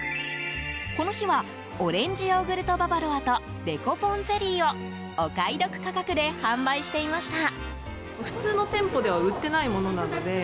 この日はオレンジヨーグルトババロアとでこぽんゼリーをお買い得価格で販売していました。